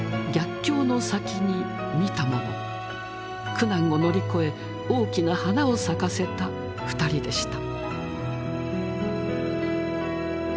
苦難を乗り越え大きな花を咲かせた二人でした。